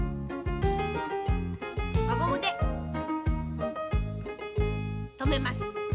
わゴムでとめます。